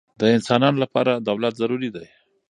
د انسانانو له پاره دولت ضروري دئ.